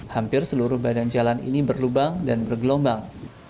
hampir seluruh badan jalan ini berlubang dan bergelombang